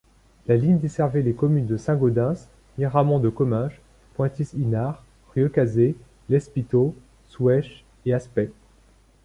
La ligne desservait les communes de Saint-Gaudens, Miramont-de-Comminges, Pointis-Inard, Rieucazé, Lespiteau, Soueich et Aspet.